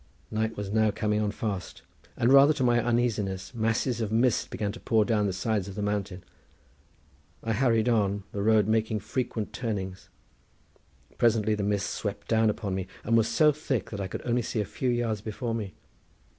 Night was now coming on fast, and, rather to my uneasiness, masses of mist began to pour down the sides of the mountain. I hurried on, the road making frequent turnings. Presently the mist swept down upon me, and was so thick that I could only see a few yards before me.